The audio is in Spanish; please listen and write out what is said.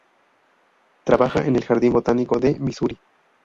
Trabaja en el Jardín Botánico de Misuri.